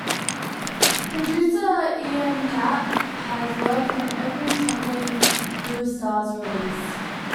Producer Ian Catt has worked on every Trembling Blue Stars release.